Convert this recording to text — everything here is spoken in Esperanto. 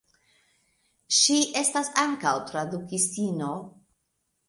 Ŝi estas ankaŭ tradukistino.